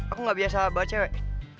aku gak biasa bawa cewek